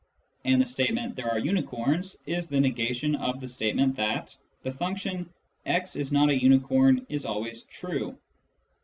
And the statement " there are unicorns " is the negation of the state ment that the function " x is not a unicorn " is always true.